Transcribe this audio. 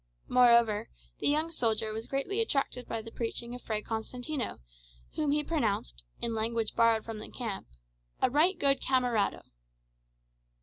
Moreover, the young soldier was greatly attracted by the preaching of Fray Constantino, whom he pronounced, in language borrowed from the camp, "a right good camerado."